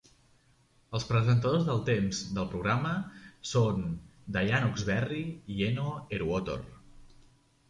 Els presentadors del temps del programa són Dianne Oxberry i Eno Eruotor.